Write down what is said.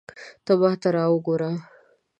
ته ماته را وګوره